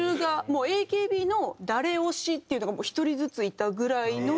もうＡＫＢの誰推しっていうのが一人ずついたぐらいの。